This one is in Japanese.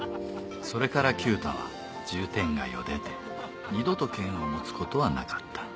それから九太は渋天街を出て二度と剣を持つことはなかった。